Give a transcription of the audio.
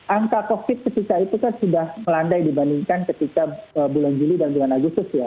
angka covid ketika itu kan sudah melandai dibandingkan ketika bulan juli dan bulan agustus ya